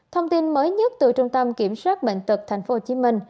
thông tin mới nhất từ trung tâm kiểm soát bệnh tật tp hcm